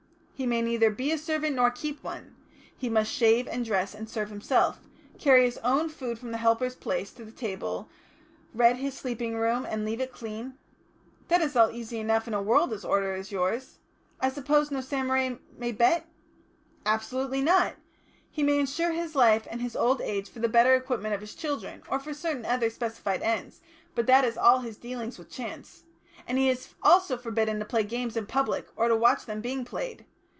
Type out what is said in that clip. He may neither be a servant nor keep one; he must shave and dress and serve himself, carry his own food from the helper's place to the table, redd his sleeping room, and leave it clean...." "That is all easy enough in a world as ordered as yours. I suppose no samurai may bet?" "Absolutely not. He may insure his life and his old age for the better equipment of his children, or for certain other specified ends, but that is all his dealings with chance. And he is also forbidden to play games in public or to watch them being played.